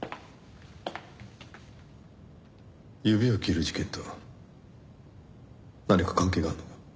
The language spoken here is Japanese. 指を切る事件と何か関係があるのか？